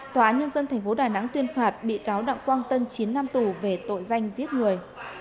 tòa án nhân dân tp đà nẵng tuyên phạt bị cáo đặng quang tân chín năm tù về tội danh giết người